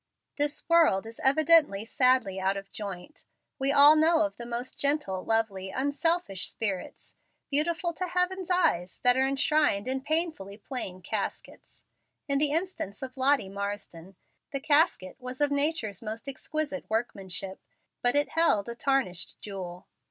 This world is evidently sadly out of joint. We all know of the most gentle, lovely, unselfish spirits, beautiful to Heaven's eye, that are enshrined in painfully plain caskets. In the instance of Lottie Marsden, the casket was of nature's most exquisite workmanship, but it held a tarnished jewel.